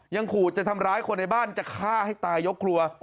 ขู่จะทำร้ายคนในบ้านจะฆ่าให้ตายยกครัว